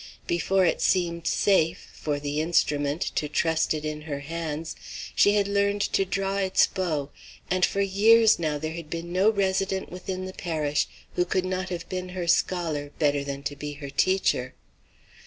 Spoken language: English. Before it seemed safe, for the instrument, to trust it in her hands, she had learned to draw its bow; and for years, now, there had been no resident within the parish who could not have been her scholar better than to be her teacher.